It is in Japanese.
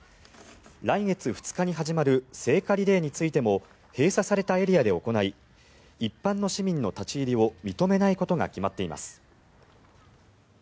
来月２日に始まる聖火リレーについても閉鎖されたエリアで行い一般の市民の立ち入りを認めないことが決まっています。